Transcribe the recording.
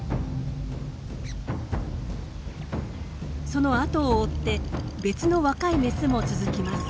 その後を追って別の若いメスも続きます。